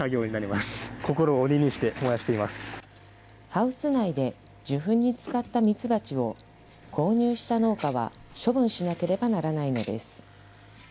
ハウス内で受粉に使ったミツバチを購入した農家は処分しなければならないのです。